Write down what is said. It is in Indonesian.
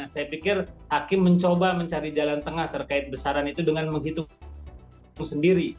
saya pikir hakim mencoba mencari jalan tengah terkait besaran itu dengan menghitung sendiri